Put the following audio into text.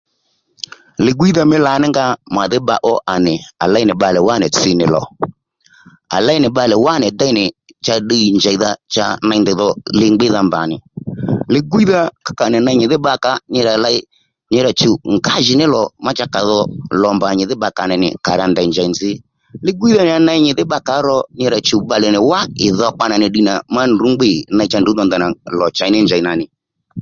Li-gwíydha mí lǎnínga màdhí bba ó ànì à léy nì bbalè wánì tsi nì lò à léy nì bbalè wá nì déy nì cha ddiy njèydha cha ney ndèy dhò li ngbíydha mbà nì li-gwiydha ká kà nì ney nyìdhí bbakǎ nyi rà ley nyi rà chùw ngǎjìní lò cha kà dho ngǎjìní lò mbà nyì dhí bbakàó nì dho ndèy njèy nzǐ li-gwiydha nì ya ney nyìdhí bbakàó ro nyi ra chùw bbalè nì wá lidhokpa nà nì ddiy nà ndrǔ ngbîy ì ndanà cha ney ì dho ndanà lò njèy nì